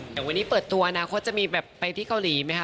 แต่วันนี้เปิดตัวอนาคตจะมีแบบไปที่เกาหลีไหมคะ